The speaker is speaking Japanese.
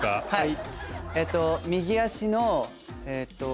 はい。